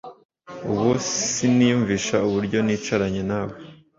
ubu siniyumvisha uburyo nicaranye nawe